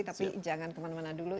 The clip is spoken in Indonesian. tapi jangan kemana mana dulu